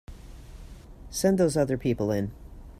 Send those other people in.